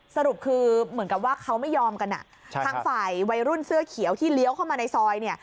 สรุปคือเหมือนกับว่าเขาไม่ยอมกันทางฝ่ายวัยรุ่นเสื้อเขียวที่เลี้ยวเข้ามาในซอยเนี่ย